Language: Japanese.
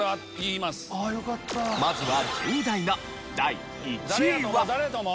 まずは１０代の第１位は。